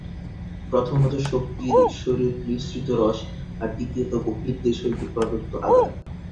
প্রথমত শুক্তির শরীর নিঃসৃত রস, আর দ্বিতীয়ত বহির্দেশ হইতে প্রদত্ত আঘাত।